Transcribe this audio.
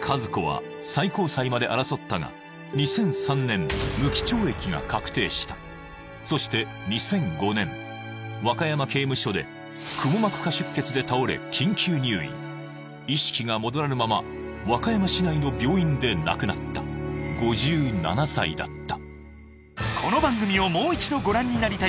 和子は最高裁まで争ったが２００３年無期懲役が確定したそして２００５年和歌山刑務所で意識が戻らぬまま和歌山市内の病院で亡くなった５７歳だった